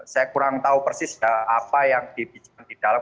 saya kurang tahu persis apa yang dibicara di dalam